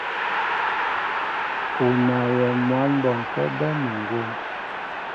U naayɛ mwǎn bɔnkɛ́ bɛ́ muŋgwóm.